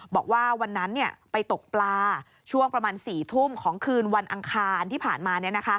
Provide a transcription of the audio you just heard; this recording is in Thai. บอกว่าวันนั้นไปตกปลาช่วงประมาณ๔ทุ่มของคืนวันอังคารที่ผ่านมา